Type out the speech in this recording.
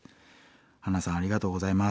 ハナさんありがとうございます。